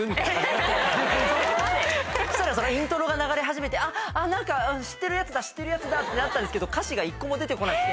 そしたらイントロが流れ始めてあっ何か知ってるやつだってなったんですけど歌詞が１個も出て来なくて。